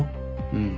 うん。